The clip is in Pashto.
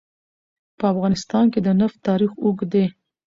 په افغانستان کې د نفت تاریخ اوږد دی.